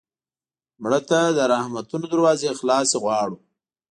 مړه ته د رحمتونو دروازې خلاصې غواړو